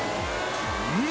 うん？